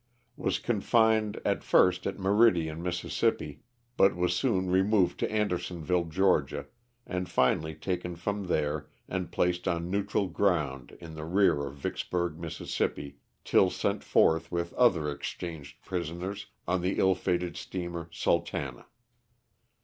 Was confined at first at Meridian, Miss., but was soon removed to Andersonville, Ga., and finally taken from there and placed on neutral ground in the rear of Vicksburg, Miss., till sent north with other exchanged prisoners on the ill fated steamer ''Sultana."